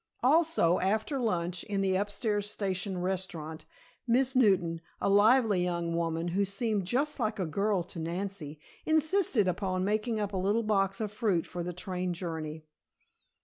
Also, after lunch in the upstairs station restaurant, Miss Newton, a lively young woman who seemed just like a girl to Nancy, insisted upon making up a little box of fruit for the train journey.